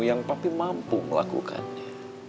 yang papi mampu melakukannya